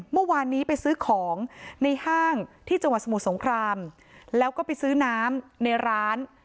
เมื่อวานนี้ไปซื้อของในห้างที่จังหวัดสมุทรสงครามแล้วก็ไปซื้อน้ำในร้าน